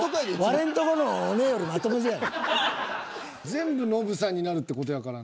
全部ノブさんになるって事やからな。